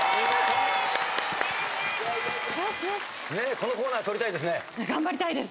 このコーナー取りたいですね。